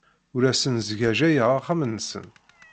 Ur asen-sgajjayeɣ axxam-nsen.